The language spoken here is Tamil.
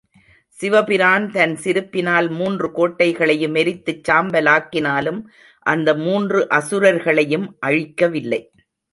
சிவபிரான் தன் சிரிப்பினால் மூன்று கோட்டைகளையும் எரித்துச் சாம்பலாக்கினாலும், அந்த மூன்று அசுரர்களையும் அழிக்கவில்லை.